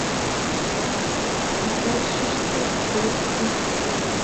Вачыштет вует уке!